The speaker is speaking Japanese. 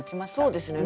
そうですね。